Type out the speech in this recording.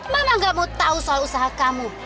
mama gak mau tau soal usaha kamu